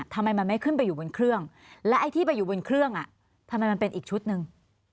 ทำไมมันไม่ขึ้นไปอยู่บนเครื่องและไอ้ที่ไปอยู่บนเครื่องอ่ะทำไมมันเป็นอีกชุดหนึ่ง